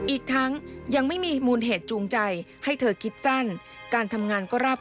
อีกทั้งยังไม่มีมูลเหตุจูงใจให้เธอคิดสั้น